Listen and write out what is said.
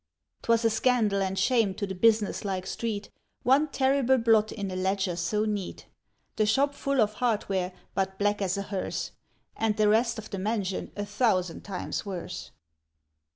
'T was a scandal and shame to the business like street, One terrible blot in a ledger so neat: The shop full of hardware, but black as a hearse, And the rest of the mansion a thousand times worse.